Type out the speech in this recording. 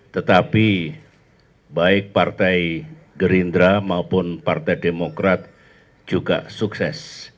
tetapi baik partai gerindra maupun partai demokrat juga sukses